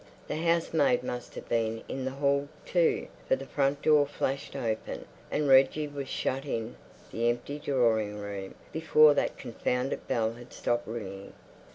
The housemaid must have been in the hall, too, for the front door flashed open, and Reggie was shut in the empty drawing room before that confounded bell had stopped ringing.